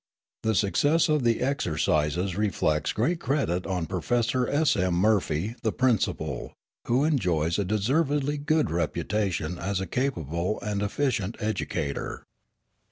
The success of the exercises reflects great credit on Professor S. M. Murphy, the principal, who enjoys a deservedly good reputation as a capable and efficient educator."